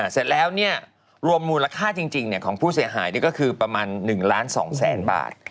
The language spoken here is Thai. เสร็จแล้วเนี่ยรวมมูลค่าจริงของผู้เสียหายก็คือประมาณ๑ล้าน๒แสนบาท